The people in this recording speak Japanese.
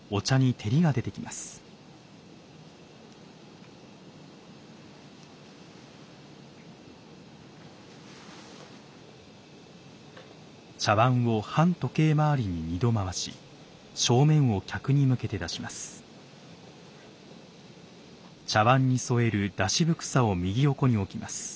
茶碗を反時計回りに２度回し正面を客に向けて出します。